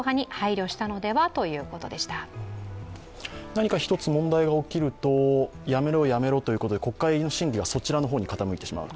何か一つ問題が起きると辞めろ、辞めろということで国会の審議がそちらの方に傾いてしまう。